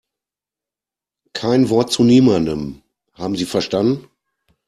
Kein Wort zu niemandem, haben Sie verstanden?